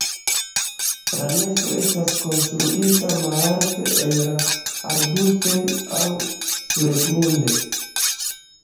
La nesto estas konstruita malalte en arbustoj aŭ surgrunde.